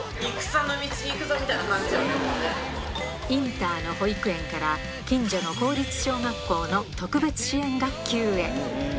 みたいな、インターの保育園から、近所の公立小学校の特別支援学級へ。